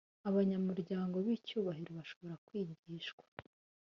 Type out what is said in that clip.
abanyamuryango bicyubahiro bashobora kwigishwa.